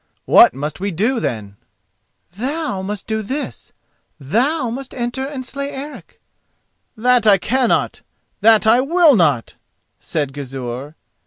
"What must we do, then?" "Thou must do this. Thou must enter and slay Eric." "That I can not—that I will not!" said Gizur.